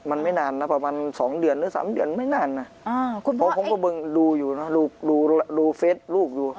มันไม่นานนะประมาณ๒เดือนหรือ๓เดือนไม่นานนะเพราะผมก็บึงดูอยู่นะลูกดูเฟสลูกอยู่